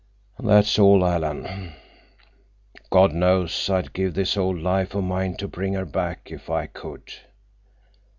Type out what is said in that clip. "That's all, Alan. God knows I'd give this old life of mine to bring her back if I could.